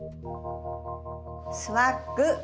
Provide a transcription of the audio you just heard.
スワッグ。